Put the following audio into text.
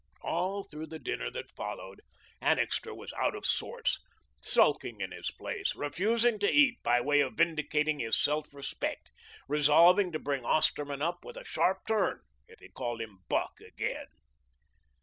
All through the dinner that followed Annixter was out of sorts, sulking in his place, refusing to eat by way of vindicating his self respect, resolving to bring Osterman up with a sharp turn if he called him "Buck" again.